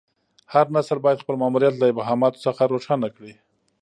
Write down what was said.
هر نسل باید خپل ماموریت له ابهاماتو څخه روښانه کړي.